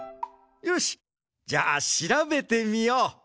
よしじゃあしらべてみよう。